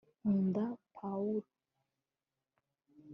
nkunda pawulo